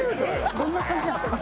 どんな感じなんですか？